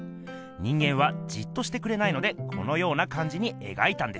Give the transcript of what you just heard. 人間はじっとしてくれないのでこのようなかんじにえがいたんです。